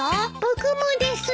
僕もです。